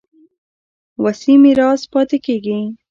وصي میراث پاتې کېږي.